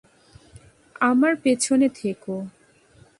আমার পেছনে থাকো।